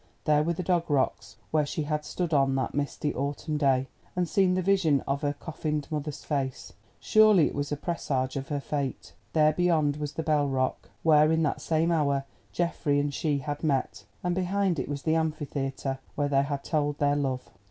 There were the Dog Rocks, where she had stood on that misty autumn day, and seen the vision of her coffined mother's face. Surely it was a presage of her fate. There beyond was the Bell Rock, where in that same hour Geoffrey and she had met, and behind it was the Amphitheatre, where they had told their love.